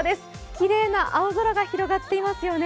きれいな青空が広がっていますよね。